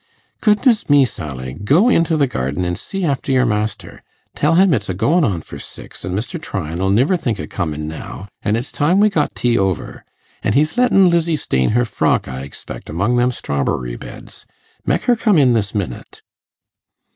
'Goodness me, Sally! go into the garden an' see after your master. Tell him it's goin' on for six, an' Mr. Tryan 'ull niver think o' comin' now, an' it's time we got tea over. An' he's lettin' Lizzie stain her frock, I expect, among them strawberry beds. Mek her come in this minute.